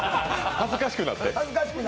恥ずかしくなって。